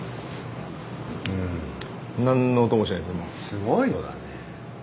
すごいのだね。